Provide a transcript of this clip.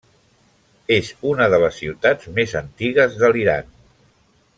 És una de les ciutats més antigues de l'Iran.